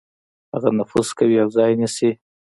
هلته نفوذ کوي او ځای نيسي.